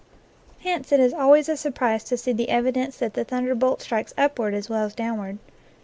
Hence it is always a surprise to see the evidence that the thunderbolt strikes upward as well as downward.